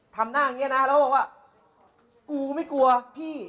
ทำหน้าอย่างนี้นะแล้วบอกว่ากูไม่กลัวพี่